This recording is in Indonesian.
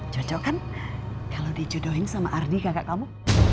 cocok kan kalau dijodohin sama ardi kakak kamu